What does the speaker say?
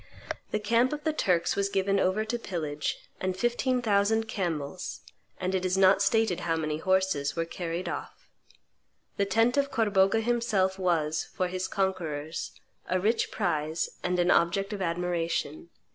The camp of the Turks was given over to pillage; and fifteen thousand camels, and it is not stated how many horses, were carried off. The tent of Corbogha himself was, for his conquerors, a rich prize and an object of admiration.